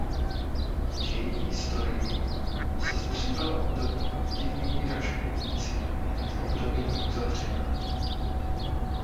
V její historii se střídala období aktivní ražby mincí s obdobími uzavření.